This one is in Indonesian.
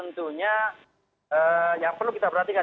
tentunya yang perlu kita perhatikan